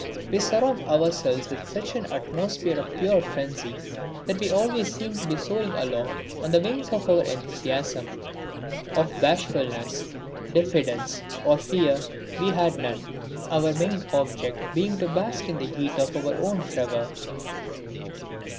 We surrounded ourselves with such an atmosphere of pure frenzy that we always seemed to be soaring aloft on the wings of our enthusiasm. Of bashfulness, diffidence or fear we had none, our main object being to bask in the heat of our own fervour.